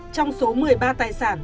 trong số một mươi ba tài sản